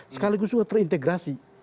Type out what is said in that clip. sekaligus juga terintegrasi